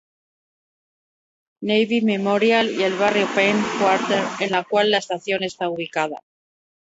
Navy Memorial, y el barrio Penn Quarter en la cual la estación está ubicada.